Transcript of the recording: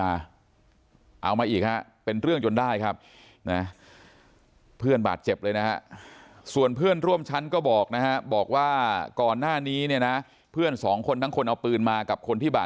อันนี้เพื่อนร่วมชั้นก็บอกนะครับบอกว่า